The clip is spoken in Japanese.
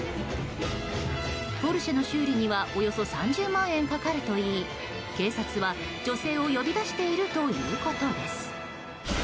ポルシェの修理にはおよそ３０万円かかるといい警察は女性を呼び出しているということです。